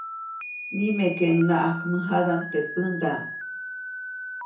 Nimekeʼuŋnaʼajk mäjadaʼm teʼ pändaʼm.